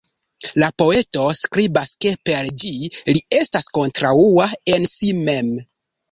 La poeto skribas ke per ĝi li estas "kontraŭa en si mem".